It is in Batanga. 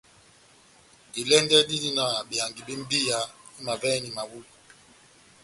Ilɛ́ndɛ́ dindi na behangi bé mbiya imavɛhɛni mahulɛ.